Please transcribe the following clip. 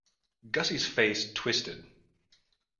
Gussie's face twisted.